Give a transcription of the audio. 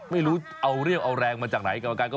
ไม่รู้เอาเรี่ยงเอาแรงมาจากไหน